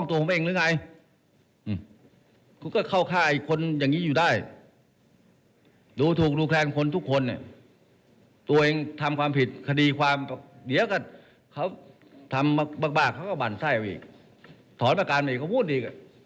ว่าได้รับแจ้งว่าแม่ทัพภาคที่๑